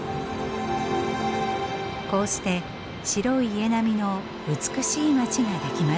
こうして白い家並みの美しい街が出来ました。